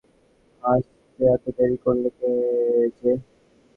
আসতে এত দেরি করলে যে?